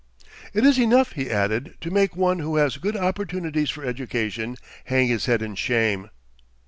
"It is enough," he added, "to make one who has good opportunities for education hang his head in shame."